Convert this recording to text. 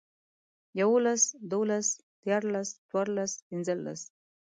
يوولس، دوولس، ديارلس، څوارلس، پينځلس